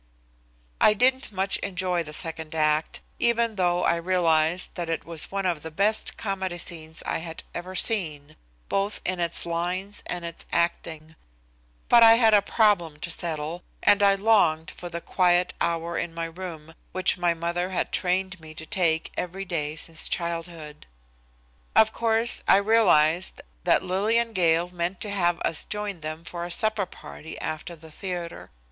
I didn't much enjoy the second act, even though I realized that it was one of the best comedy scenes I had ever seen, both in its lines and its acting; but I had a problem to settle, and I longed for the quiet hour in my own room which my mother had trained me to take every day since childhood. Of course, I realized that Lillian Gale meant to have us join them for a supper party after the theatre.